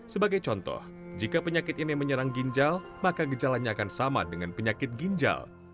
sebagai contoh jika penyakit ini menyerang ginjal maka gejalanya akan sama dengan penyakit ginjal